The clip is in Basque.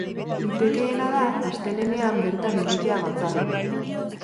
Litekeena da astelehenean bertan egitea batzar hori.